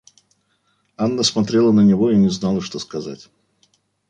Анна смотрела на него и не знала, что сказать.